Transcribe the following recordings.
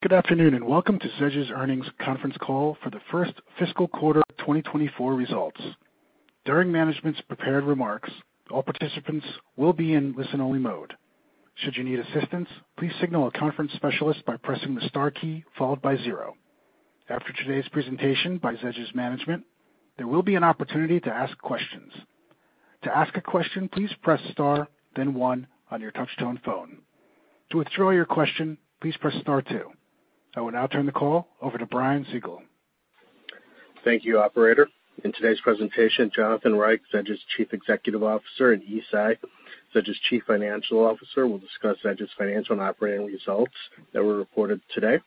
Good afternoon, and welcome to Zedge's Earnings Conference Call for the First Fiscal Quarter of 2024 Results. During management's prepared remarks, all participants will be in listen-only mode. Should you need assistance, please signal a conference specialist by pressing the star key followed by zero. After today's presentation by Zedge's management, there will be an opportunity to ask questions. To ask a question, please press star, then one on your touch-tone phone. To withdraw your question, please press star two. I will now turn the call over to Brian Siegel. Thank you, operator. In today's presentation, Jonathan Reich, Zedge's Chief Executive Officer, and Yi Tsai, Zedge's Chief Financial Officer, will discuss Zedge's financial and operating results that were reported today.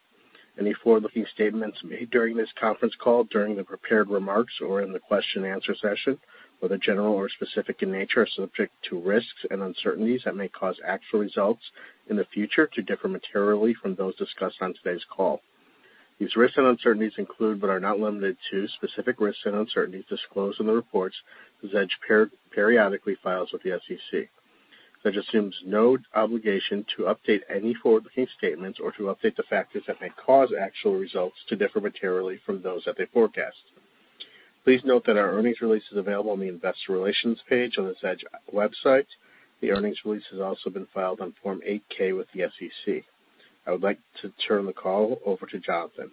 Any forward-looking statements made during this conference call, during the prepared remarks or in the question-and-answer session, whether general or specific in nature, are subject to risks and uncertainties that may cause actual results in the future to differ materially from those discussed on today's call. These risks and uncertainties include, but are not limited to, specific risks and uncertainties disclosed in the reports Zedge periodically files with the SEC. Zedge assumes no obligation to update any forward-looking statements or to update the factors that may cause actual results to differ materially from those that they forecast. Please note that our earnings release is available on the investor relations page on the Zedge website. The earnings release has also been filed on Form 8-K with the SEC. I would like to turn the call over to Jonathan.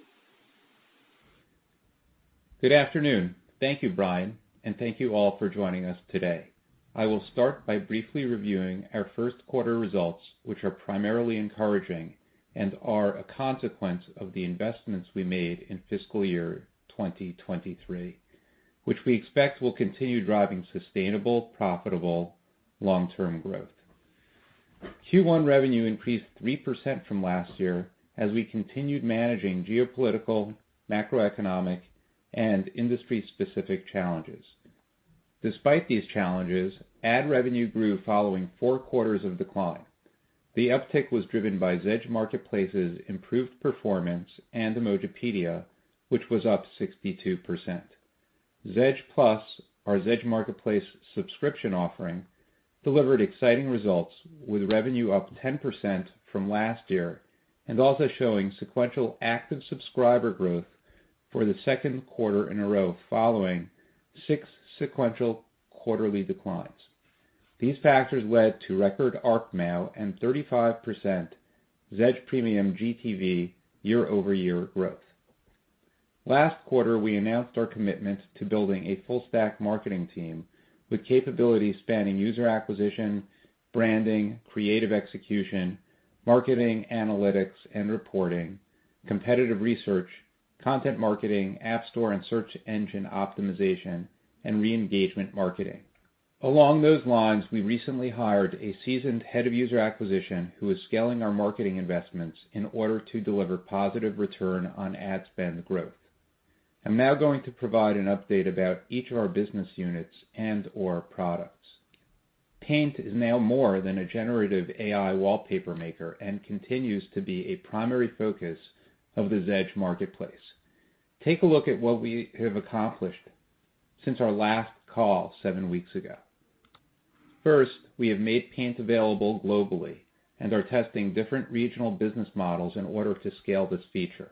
Good afternoon. Thank you, Brian, and thank you all for joining us today. I will start by briefly reviewing our first quarter results, which are primarily encouraging and are a consequence of the investments we made in fiscal year 2023, which we expect will continue driving sustainable, profitable, long-term growth. Q1 revenue increased 3% from last year as we continued managing geopolitical, macroeconomic, and industry-specific challenges. Despite these challenges, ad revenue grew following four quarters of decline. The uptick was driven by Zedge Marketplace's improved performance and Emojipedia, which was up 62%. Zedge Plus, our Zedge Marketplace subscription offering, delivered exciting results, with revenue up 10% from last year and also showing sequential active subscriber growth for the second quarter in a row following six sequential quarterly declines. These factors led to record ARPMAU and 35% Zedge Premium GTV year-over-year growth. Last quarter, we announced our commitment to building a full-stack marketing team with capabilities spanning user acquisition, branding, creative execution, marketing, analytics and reporting, competitive research, content marketing, App Store and search engine optimization, and re-engagement marketing. Along those lines, we recently hired a seasoned head of user acquisition who is scaling our marketing investments in order to deliver positive return on ad spend growth. I'm now going to provide an update about each of our business units and/or products. pAInt is now more than a generative AI wallpaper maker and continues to be a primary focus of the Zedge Marketplace. Take a look at what we have accomplished since our last call seven weeks ago. First, we have made pAInt available globally and are testing different regional business models in order to scale this feature.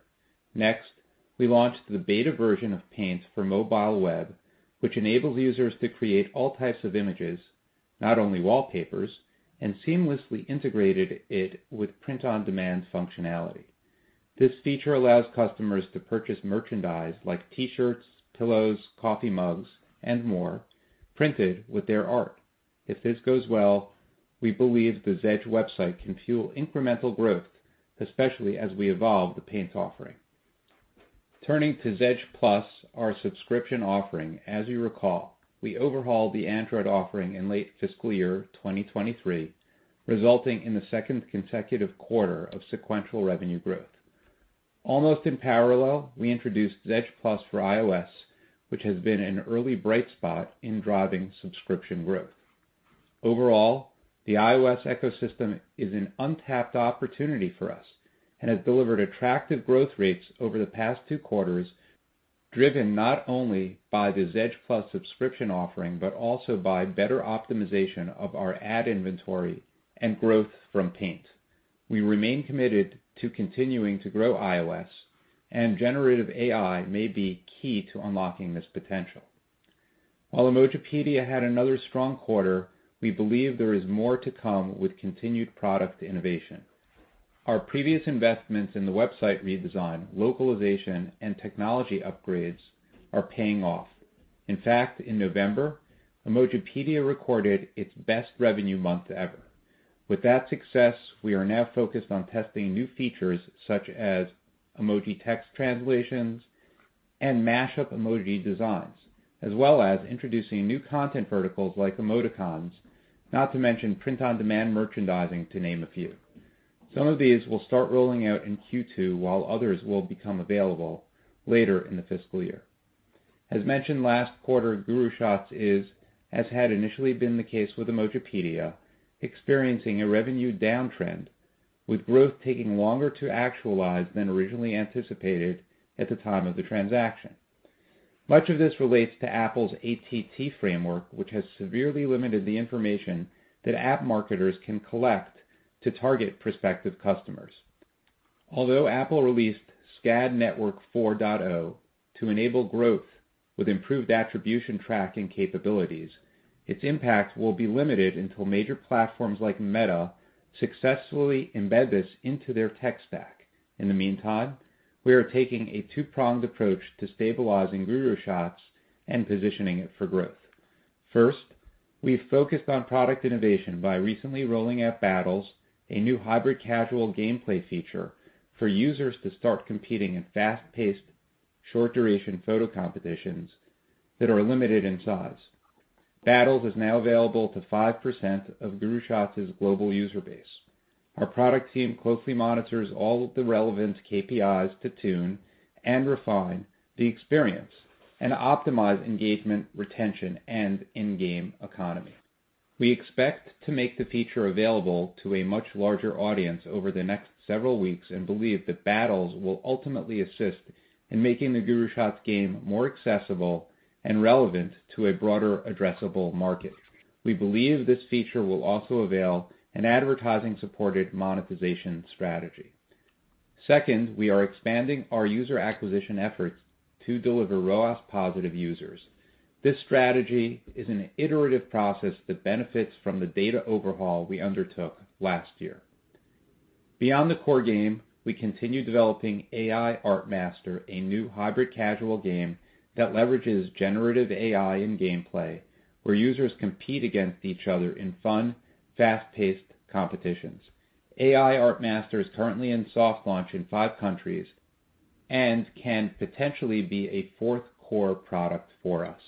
Next, we launched the beta version of pAInt for mobile web, which enables users to create all types of images, not only wallpapers, and seamlessly integrated it with print-on-demand functionality. This feature allows customers to purchase merchandise like T-shirts, pillows, coffee mugs, and more, printed with their art. If this goes well, we believe the Zedge website can fuel incremental growth, especially as we evolve the pAInt offering. Turning to Zedge Plus, our subscription offering. As you recall, we overhauled the Android offering in late fiscal year 2023, resulting in the second consecutive quarter of sequential revenue growth. Almost in parallel, we introduced Zedge Plus for iOS, which has been an early bright spot in driving subscription growth. Overall, the iOS ecosystem is an untapped opportunity for us and has delivered attractive growth rates over the past two quarters, driven not only by the Zedge Plus subscription offering, but also by better optimization of our ad inventory and growth from pAInt. We remain committed to continuing to grow iOS, and generative AI may be key to unlocking this potential. While Emojipedia had another strong quarter, we believe there is more to come with continued product innovation. Our previous investments in the website redesign, localization, and technology upgrades are paying off. In fact, in November, Emojipedia recorded its best revenue month ever. With that success, we are now focused on testing new features such as emoji text translations and mashup emoji designs, as well as introducing new content verticals like emoticons, not to mention print-on-demand merchandising, to name a few. Some of these will start rolling out in Q2, while others will become available later in the fiscal year. As mentioned last quarter, GuruShots is, as had initially been the case with Emojipedia, experiencing a revenue downtrend, with growth taking longer to actualize than originally anticipated at the time of the transaction. Much of this relates to Apple's ATT framework, which has severely limited the information that app marketers can collect to target prospective customers. Although Apple released SKAdNetwork 4.0 to enable growth with improved attribution tracking capabilities, its impact will be limited until major platforms like Meta successfully embed this into their tech stack. In the meantime, we are taking a two-pronged approach to stabilizing GuruShots and positioning it for growth. First, we've focused on product innovation by recently rolling out Battles, a new hybrid casual gameplay feature for users to start competing in fast-paced, short-duration photo competitions that are limited in size. Battles is now available to 5% of GuruShots global user base. Our product team closely monitors all of the relevant KPIs to tune and refine the experience and optimize engagement, retention, and in-game economy. We expect to make the feature available to a much larger audience over the next several weeks, and believe that Battles will ultimately assist in making the GuruShots game more accessible and relevant to a broader addressable market. We believe this feature will also avail an advertising-supported monetization strategy. Second, we are expanding our user acquisition efforts to deliver ROAS-positive users. This strategy is an iterative process that benefits from the data overhaul we undertook last year. Beyond the core game, we continue developing AI Art Master, a new hybrid casual game that leverages generative AI in gameplay, where users compete against each other in fun, fast-paced competitions. AI Art Master is currently in soft launch in five countries and can potentially be a fourth core product for us.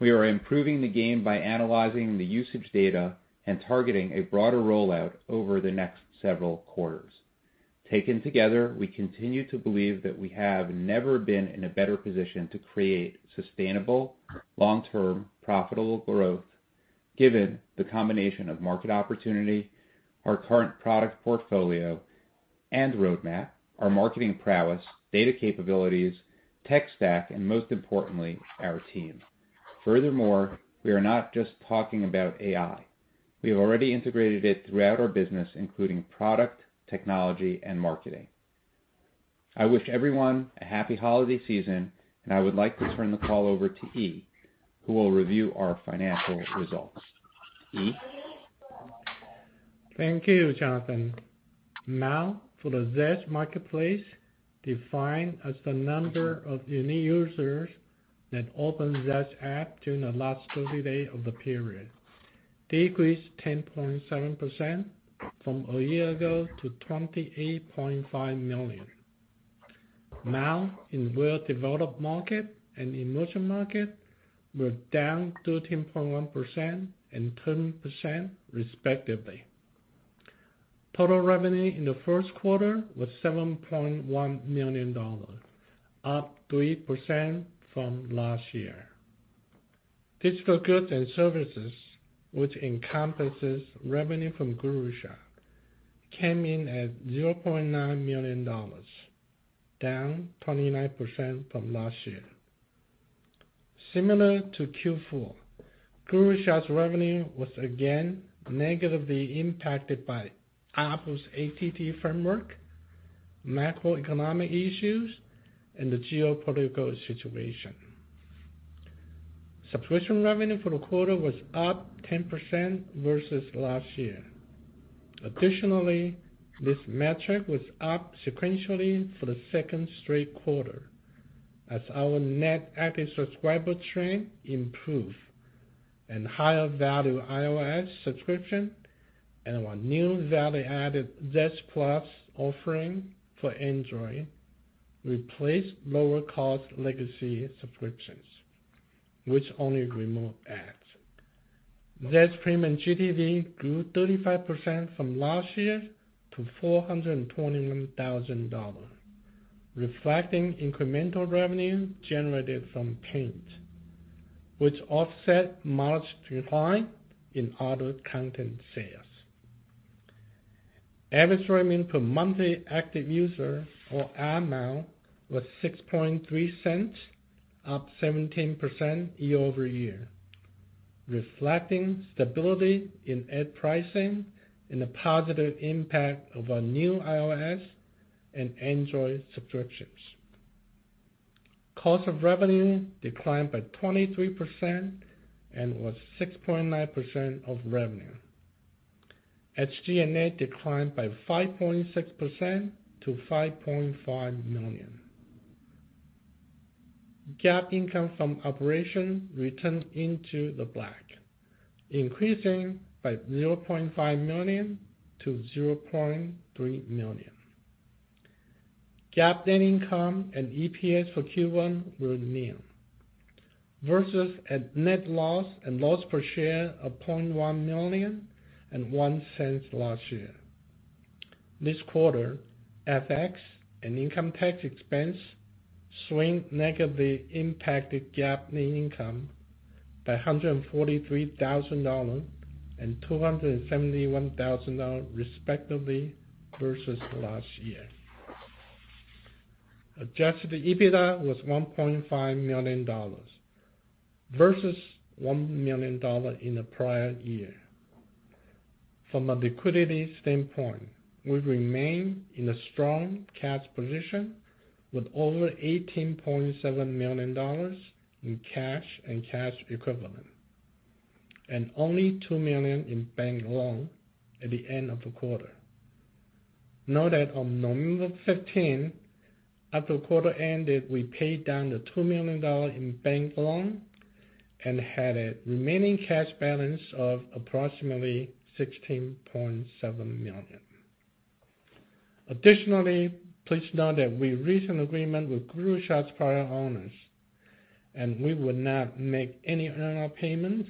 We are improving the game by analyzing the usage data and targeting a broader rollout over the next several quarters. Taken together, we continue to believe that we have never been in a better position to create sustainable, long-term, profitable growth, given the combination of market opportunity, our current product portfolio and roadmap, our marketing prowess, data capabilities, tech stack, and most importantly, our team. Furthermore, we are not just talking about AI. We have already integrated it throughout our business, including product, technology, and marketing. I wish everyone a happy holiday season, and I would like to turn the call over to Yi, who will review our financial results. Yi. Thank you, Jonathan. Now, for the Zedge Marketplace, defined as the number of unique users that opened Zedge app during the last 30 days of the period, decreased 10.7% from a year ago to 28.5 million. Now, in well-developed market and emerging market, we're down 13.1% and 10% respectively. Total revenue in the first quarter was $7.1 million, up 3% from last year. Digital goods and services, which encompasses revenue from GuruShots, came in at $0.9 million, down 29% from last year. Similar to Q4, GuruShots revenue was again negatively impacted by Apple's ATT framework, macroeconomic issues, and the geopolitical situation. Subscription revenue for the quarter was up 10% versus last year. Additionally, this metric was up sequentially for the second straight quarter as our net active subscriber trend improved, and higher-value iOS subscription and our new value-added Zedge Plus offering for Android replaced lower-cost legacy subscriptions, which only remove ads. Zedge Premium GTV grew 35% from last year to $421,000, reflecting incremental revenue generated from pAInt, which offset marked decline in other content sales. Average revenue per monthly active user, or ARPMAU, was $0.063, up 17% year-over-year, reflecting stability in ad pricing and the positive impact of our new iOS and Android subscriptions. Cost of revenue declined by 23% and was 6.9% of revenue. SG&A declined by 5.6% to $5.5 million. GAAP income from operations returned to the black, increasing by $0.5 million to $0.3 million. GAAP net income and EPS for Q1 were nil, versus a net loss and loss per share of $0.1 million and $0.01 last year. This quarter, FX and income tax expense swing negatively impacted GAAP net income by $143,000 and $271,000, respectively, versus last year. Adjusted EBITDA was $1.5 million, versus $1 million in the prior year. From a liquidity standpoint, we remain in a strong cash position with over $18.7 million in cash and cash equivalents, and only $2 million in bank loan at the end of the quarter. Note that on November 15, after the quarter ended, we paid down the $2 million in bank loan and had a remaining cash balance of approximately $16.7 million. Additionally, please note that we reached an agreement with GuruShots' prior owners, and we will not make any earn-out payment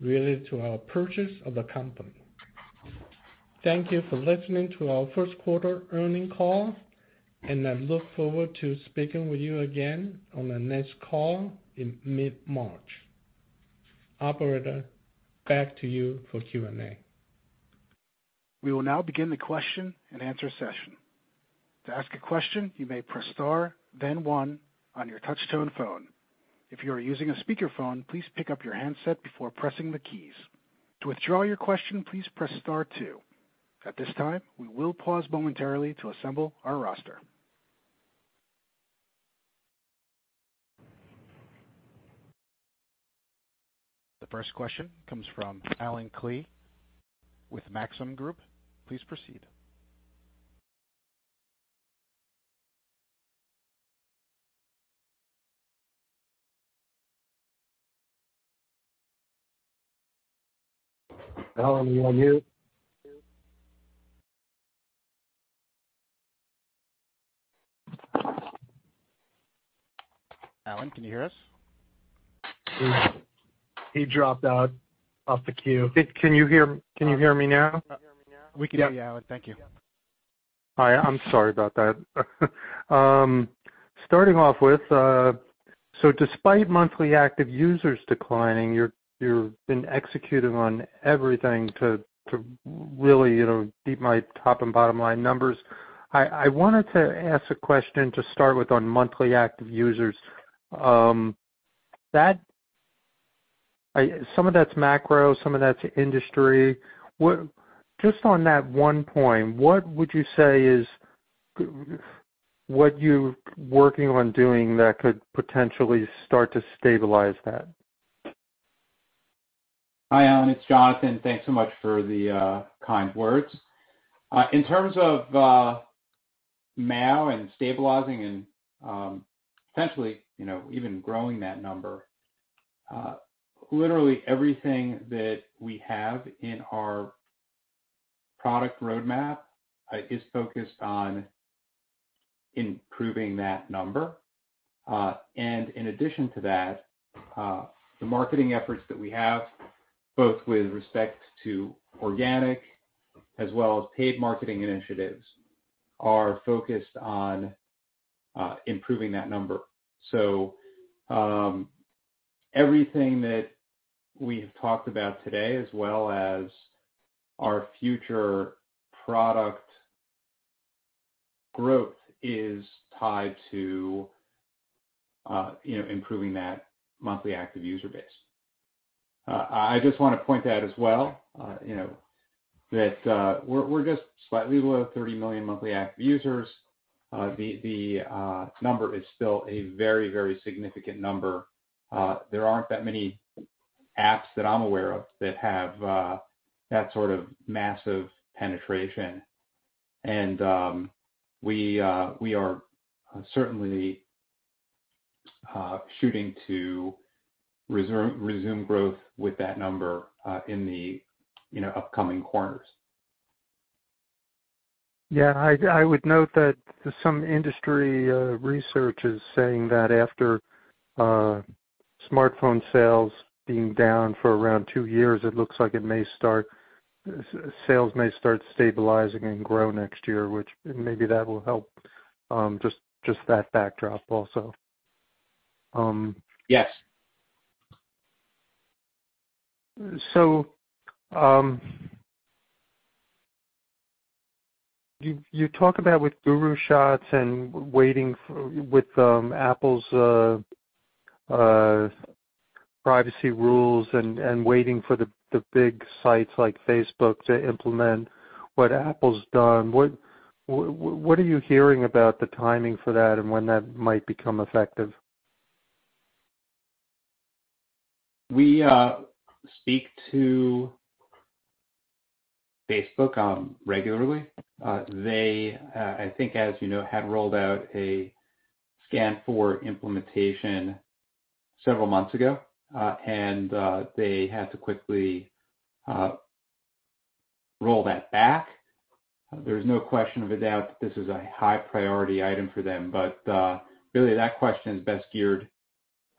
related to our purchase of the company. Thank you for listening to our first quarter earnings call, and I look forward to speaking with you again on the next call in mid-March. Operator, back to you for Q&A. We will now begin the question-and-answer session. To ask a question, you may press star then one on your touch-tone phone. If you are using a speakerphone, please pick up your handset before pressing the keys. To withdraw your question, please press star two. At this time, we will pause momentarily to assemble our roster. The first question comes from Allen Klee with Maxim Group. Please proceed. Allen, you are on mute. Allen, can you hear us? He dropped out of the queue. Can you hear me now? We can hear you, Allen. Thank you. Hi, I'm sorry about that. Starting off with so despite monthly active users declining, you're been executing on everything to really, you know, beat my top and bottom line numbers. I wanted to ask a question to start with on monthly active users. Some of that's macro, some of that's industry. Just on that one point, what would you say is what you're working on doing that could potentially start to stabilize that? Hi, Allen, it's Jonathan. Thanks so much for the kind words. In terms of MAU and stabilizing and essentially, you know, even growing that number, literally everything that we have in our product roadmap is focused on improving that number. And in addition to that, the marketing efforts that we have, both with respect to organic as well as paid marketing initiatives, are focused on improving that number. So, everything that we have talked about today, as well as our future product growth, is tied to, you know, improving that monthly active user base. I just want to point out as well, you know, that we're just slightly below 30 million monthly active users. The number is still a very, very significant number. There aren't that many apps that I'm aware of that have that sort of massive penetration. And, we are certainly shooting to resume growth with that number in the, you know, upcoming quarters. Yeah, I, I would note that some industry research is saying that after smartphone sales being down for around two years, it looks like it may start sales may start stabilizing and grow next year, which maybe that will help, just, just that backdrop also. Yes. So, you talk about with GuruShots and waiting for, with, Apple's privacy rules and waiting for the big sites like Facebook to implement what Apple's done. What are you hearing about the timing for that and when that might become effective? We speak to Facebook regularly. I think, as you know, they had rolled out a SKAdNetwork implementation several months ago, and they had to quickly roll that back. There's no question of a doubt that this is a high priority item for them, but really, that question is best geared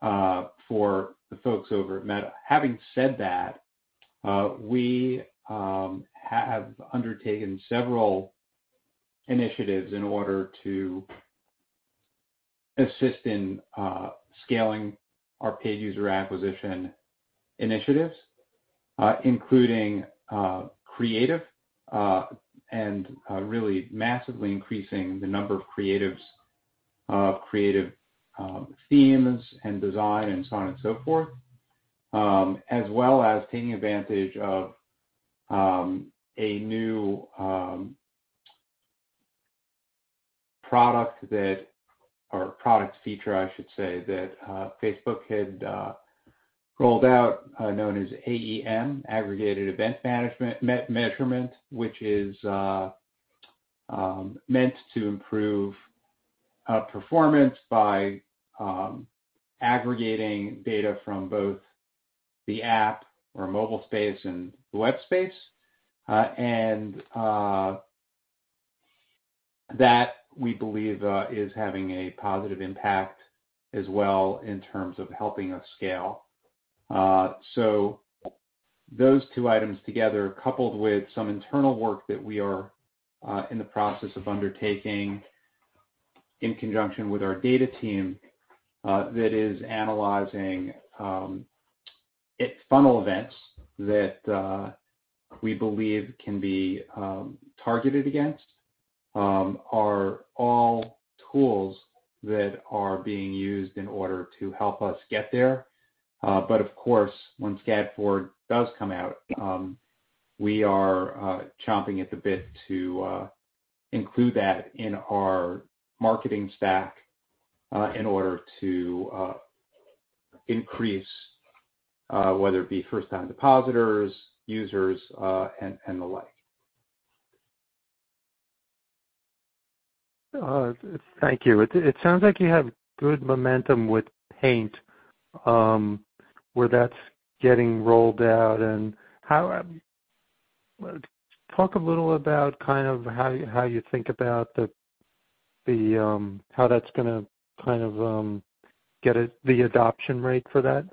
for the folks over at Meta. Having said that, we have undertaken several initiatives in order to assist in scaling our paid user acquisition initiatives, including creative, and really massively increasing the number of creatives, creative themes and design, and so on and so forth. As well as taking advantage of a new product that—or product feature, I should say, that Facebook had rolled out known as AEM, Aggregated Event Measurement, which is meant to improve performance by aggregating data from both the app or mobile space and the web space. And that, we believe, is having a positive impact as well in terms of helping us scale. So those two items together, coupled with some internal work that we are in the process of undertaking in conjunction with our data team, that is analyzing its funnel events that we believe can be targeted against are all tools that are being used in order to help us get there. But of course, once SKAdNetwork 4.0 does come out, we are chomping at the bit to include that in our marketing stack, in order to increase whether it be first-time depositors, users, and the like. Thank you. It sounds like you have good momentum with pAInt, where that's getting rolled out. And how, talk a little about kind of how you think about the... How that's gonna kind of get the adoption rate for that?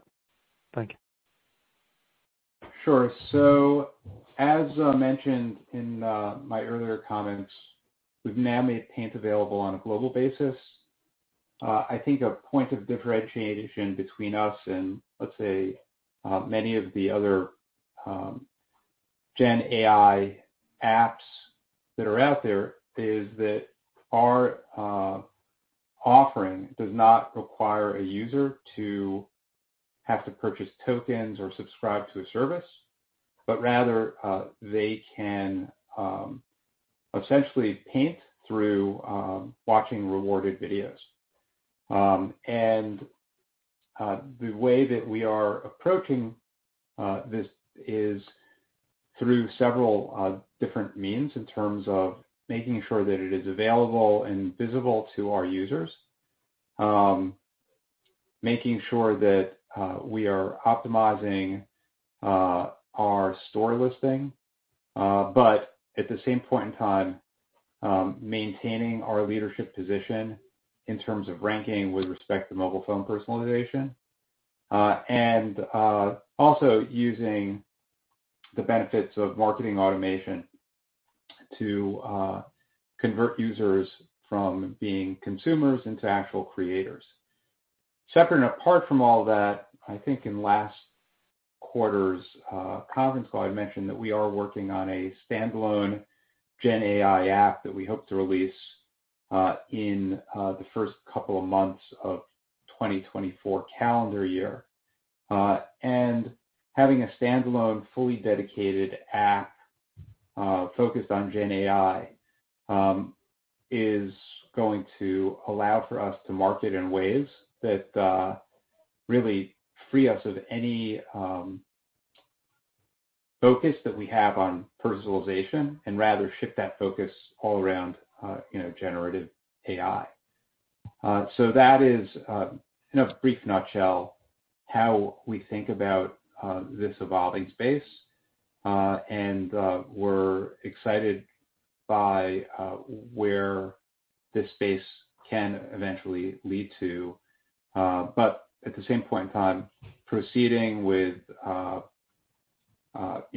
Thank you. Sure. So as mentioned in my earlier comments, we've now made pAInt available on a global basis. I think a point of differentiation between us and, let's say, many of the other Gen AI apps that are out there, is that our offering does not require a user to have to purchase tokens or subscribe to a service, but rather, they can essentially paint through watching rewarded videos. And the way that we are approaching this is through several different means in terms of making sure that it is available and visible to our users. Making sure that we are optimizing our store listing, but at the same point in time, maintaining our leadership position in terms of ranking with respect to mobile phone personalization. And also using the benefits of marketing automation to convert users from being consumers into actual creators. Separate and apart from all that, I think in last quarter's conference call, I mentioned that we are working on a standalone Gen AI app that we hope to release in the first couple of months of 2024 calendar year. And having a standalone, fully dedicated app focused on Gen AI is going to allow for us to market in ways that really free us of any focus that we have on personalization, and rather shift that focus all around, you know, generative AI. So that is in a brief nutshell how we think about this evolving space. And we're excited by where this space can eventually lead to. But at the same point in time, proceeding with, you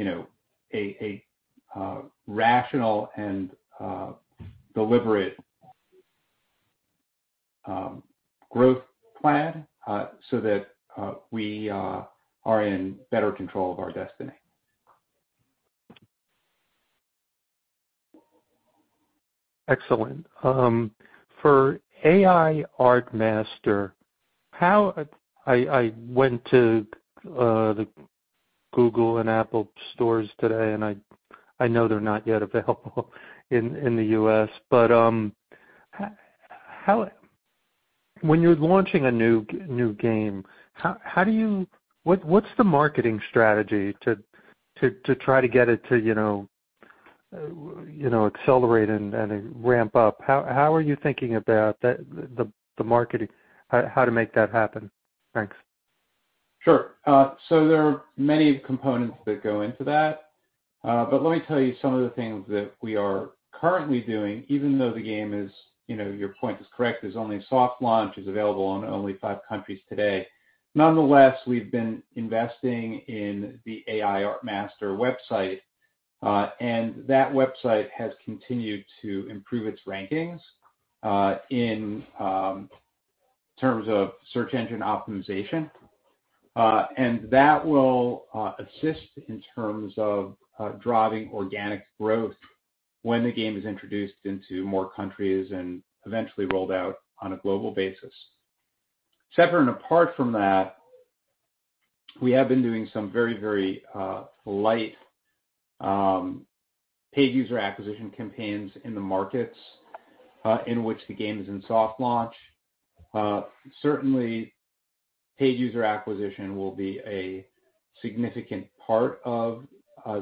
know, a rational and deliberate growth plan, so that we are in better control of our destiny. Excellent. For AI Art Master, how—I went to the Google and Apple stores today, and I know they're not yet available in the U.S. But, how... When you're launching a new game, how do you—what's the marketing strategy to try to get it to, you know, you know, accelerate and ramp up? How are you thinking about that, the marketing, how to make that happen? Thanks. Sure. So there are many components that go into that. But let me tell you some of the things that we are currently doing even though the game is, you know, your point is correct, is only a soft launch, is available in only five countries today. Nonetheless, we've been investing in the AI Art Master website and that website has continued to improve its rankings in terms of search engine optimization. And that will assist in terms of driving organic growth when the game is introduced into more countries and eventually rolled out on a global basis. Separate and apart from that, we have been doing some very, very light paid user acquisition campaigns in the markets in which the game is in soft launch. Certainly, paid user acquisition will be a significant part of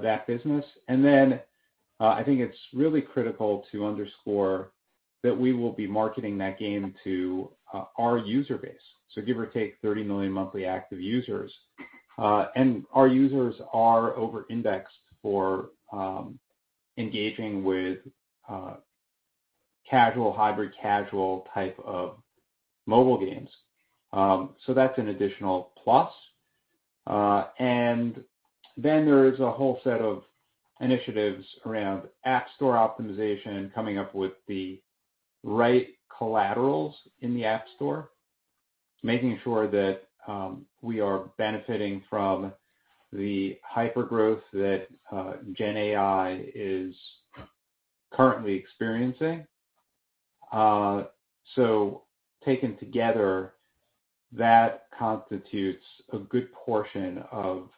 that business. And then, I think it's really critical to underscore that we will be marketing that game to our user base, so give or take, 30 million monthly active users. And our users are over-indexed for engaging with casual, hybrid casual type of mobile games. So that's an additional plus. And then there is a whole set of initiatives around App Store optimization, coming up with the right collaterals in the App Store, making sure that we are benefiting from the hypergrowth that GenAI is currently experiencing. So taken together, that constitutes a good portion of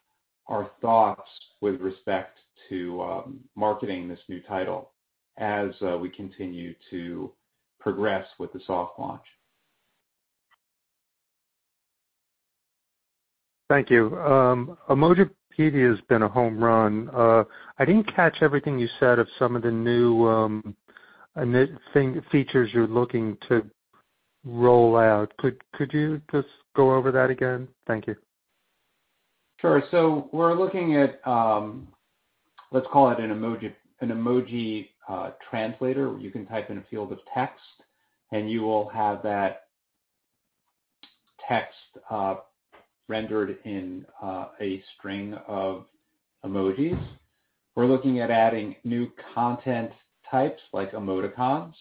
our thoughts with respect to marketing this new title as we continue to progress with the soft launch. Thank you. Emojipedia has been a home run. I didn't catch everything you said of some of the new features you're looking to roll out. Could you just go over that again? Thank you. Sure. So we're looking at, let's call it an emoji translator, where you can type in a field of text, and you will have that text rendered in a string of emojis. We're looking at adding new content types like emoticons.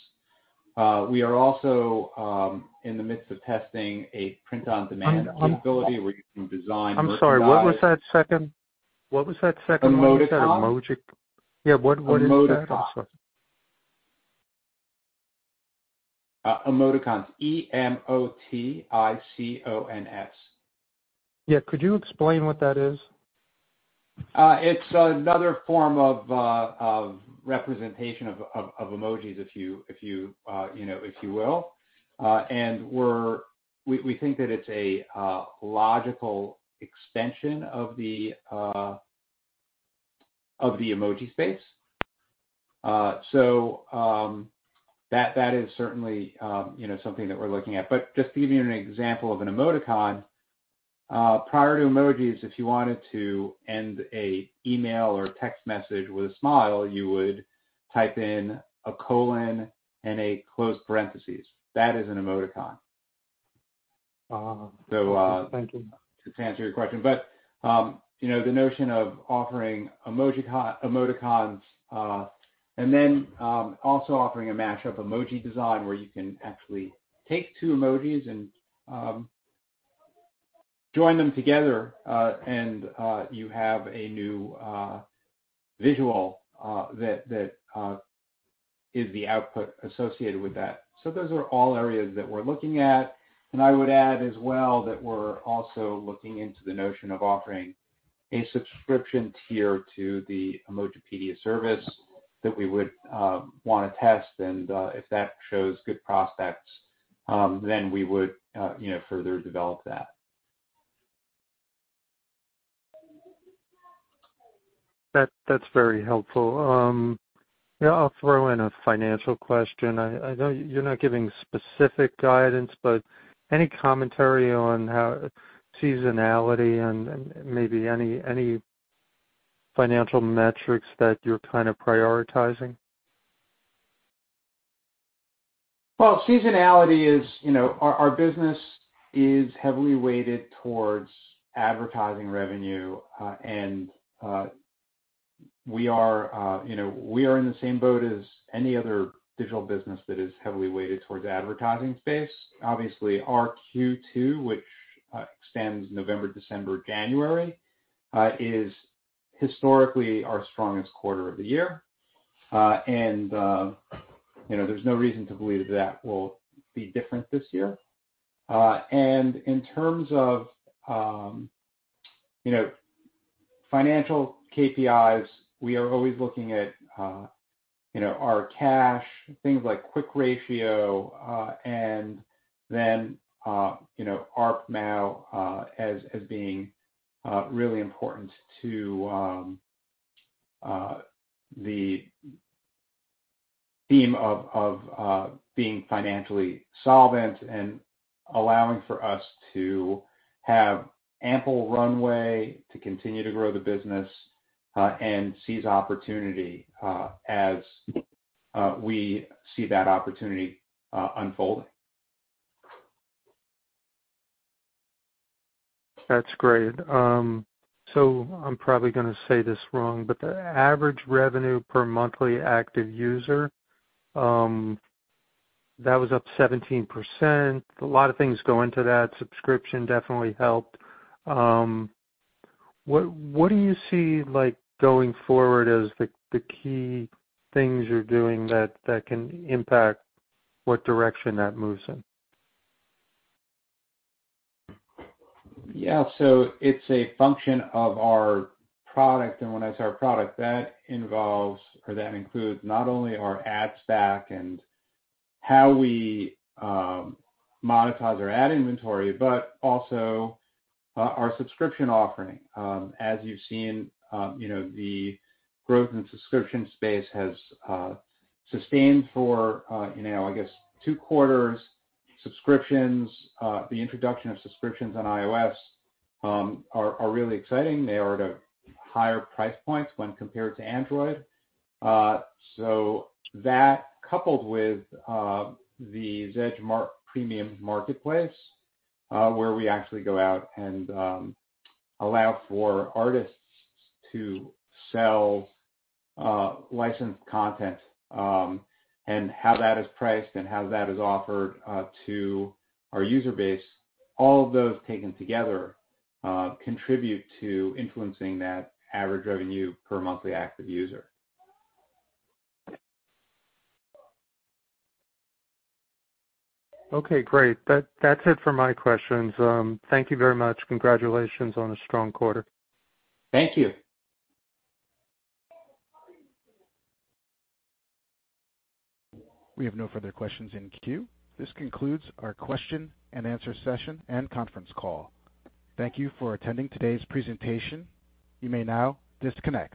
We are also in the midst of testing a print-on-demand ability where you can design- I'm sorry, what was that second? What was that second one? Emoticon. Yeah. What is that? I'm sorry. Emoticons. E-M-O-T-I-C-O-N-S. Yeah. Could you explain what that is? It's another form of representation of emojis, if you, you know, if you will. And we think that it's a logical extension of the emoji space. So, that is certainly, you know, something that we're looking at. But just to give you an example of an emoticon, prior to emojis, if you wanted to end a email or a text message with a smile, you would type in a colon and a closed parenthesis. That is an emoticon. Ah. So, uh- Thank you. To answer your question. But, you know, the notion of offering emoji emoticons, and then, also offering a mashup emoji design, where you can actually take two emojis and, join them together, and, you have a new, visual, that is the output associated with that. So those are all areas that we're looking at. And I would add as well, that we're also looking into the notion of offering a subscription tier to the Emojipedia service that we would want to test, and, if that shows good prospects, then we would, you know, further develop that. That, that's very helpful. Yeah, I'll throw in a financial question. I know you're not giving specific guidance, but any commentary on how seasonality and maybe any financial metrics that you're kind of prioritizing? Well, seasonality is... You know, our business is heavily weighted towards advertising revenue, and we are, you know, in the same boat as any other digital business that is heavily weighted towards the advertising space. Obviously, our Q2, which extends November, December, January, is historically our strongest quarter of the year. And you know, there's no reason to believe that will be different this year. And in terms of, you know, financial KPIs, we are always looking at, you know, our cash, things like quick ratio, and then, you know, ARPMAU, as being really important to the theme of being financially solvent and allowing for us to have ample runway to continue to grow the business, and seize opportunity, as we see that opportunity unfolding. That's great. So I'm probably gonna say this wrong, but the average revenue per monthly active user, that was up 17%. A lot of things go into that. Subscription definitely helped. What, what do you see, like, going forward as the, the key things you're doing that, that can impact what direction that moves in? Yeah. So it's a function of our product, and when I say our product, that involves or that includes not only our ad stack and how we monetize our ad inventory, but also our subscription offering. As you've seen, you know, the growth in the subscription space has sustained for, you know, I guess two quarters. Subscriptions, the introduction of subscriptions on iOS are really exciting. They are at a higher price points when compared to Android. So that coupled with the Zedge Premium marketplace, where we actually go out and allow for artists to sell licensed content, and how that is priced and how that is offered to our user base, all of those taken together contribute to influencing that average revenue per monthly active user. Okay, great. That, that's it for my questions. Thank you very much. Congratulations on a strong quarter. Thank you. We have no further questions in queue. This concludes our question-and-answer session and conference call. Thank you for attending today's presentation. You may now disconnect.